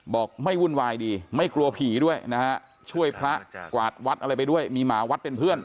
บอกไม่วุ่นวายดีไม่กลัวผีด้วยนะฮะช่วยพระกวาดวัดอะไรไปด้วยมีหมาวัดเป็นเพื่อน